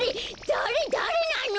だれだれなの！？